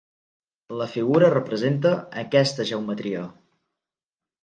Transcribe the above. La figura representa aquesta geometria.